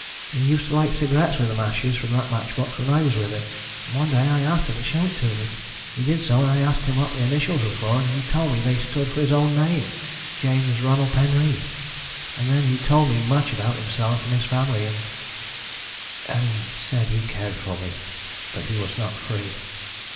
He used to light cigarettes with matches from that match box when I was with him, and one day I asked him to show it to me. He did so, and I asked him what the initials were for, and he told me they stood for his own name James Ronald Penreath. And then he told me much about himself and his family, and and he said he cared for me, but he was not free."